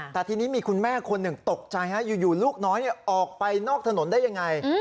แต่ทีนี้มีคุณแม่คนหนึ่งตกใจอยู่ลูกน้อยออกไปนอกถนนได้ยังไง